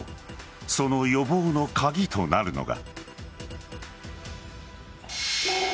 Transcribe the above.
その予防の鍵となるのが。